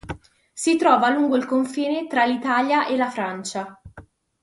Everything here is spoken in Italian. Si trova lungo il confine tra l'Italia e la Francia.